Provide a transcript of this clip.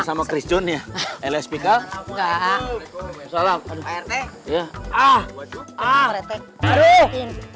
sama chris john ya lspk enggak salam pak rete ya ah ah ah